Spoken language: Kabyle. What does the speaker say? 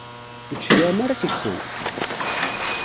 Ur d-tecliɛem ara seg-sent?